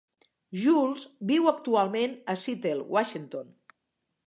Jules viu actualment a Seattle, Washington.